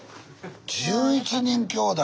１１人きょうだい。